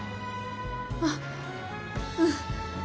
あっうん。